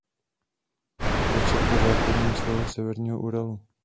Teče po západním svahu Severního Uralu.